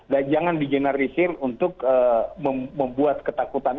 dan jangan di generalisir untuk membuat ketakutan